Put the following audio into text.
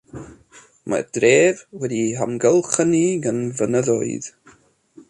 Mae'r dref wedi ei hamgylchynu gan fynyddoedd.